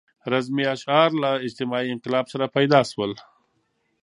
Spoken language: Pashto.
رزمي اشعار له اجتماعي انقلاب سره پیدا شول.